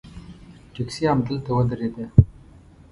ټیکسي همدلته ودرېده.